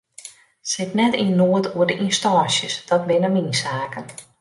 Sit net yn noed oer de ynstânsjes, dat binne myn saken.